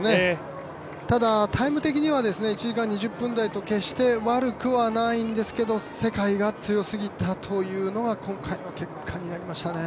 ただ、タイム的には１時間２０分台と決して悪くはないんですけど、世界が強すぎたというのが今回の結果になりましたね。